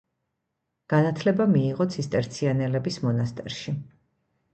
განათლება მიიღო ცისტერციანელების მონასტერში.